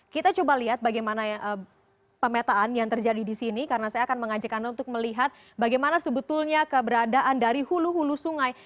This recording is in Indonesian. kita coba lihat bagaimana pemetaan yang terjadi di sini karena saya akan mengajak anda untuk melihat bagaimana sebetulnya keberadaan dari hulu hulu sungai